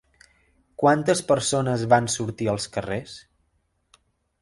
Quantes persones van sortir als carrers?